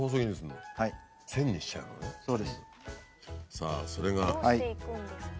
さぁそれが。